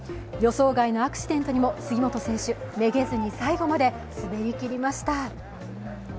予想外のアクシデントにも杉本選手、めげずに最後まで滑りきりました。